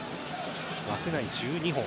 枠内１２本。